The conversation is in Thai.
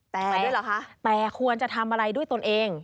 แต่ควรจะทำอะไรด้วยตนเอง